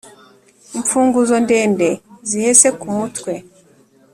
Imfunguzo ndende zihese ku mutwe